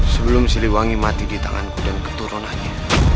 sebelum siliwangi mati di tanganku dan keturunannya